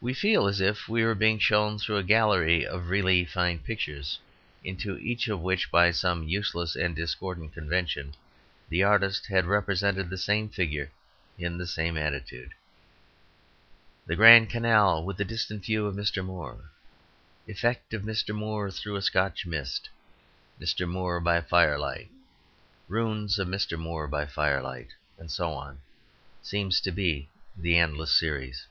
We feel as if we were being shown through a gallery of really fine pictures, into each of which, by some useless and discordant convention, the artist had represented the same figure in the same attitude. "The Grand Canal with a distant view of Mr. Moore," "Effect of Mr. Moore through a Scotch Mist," "Mr. Moore by Firelight," "Ruins of Mr. Moore by Moonlight," and so on, seems to be the endless series.